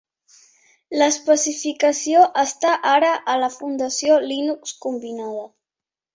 L'especificació està ara a la Fundació Linux combinada.